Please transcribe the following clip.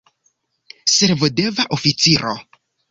Servodeva oficiro.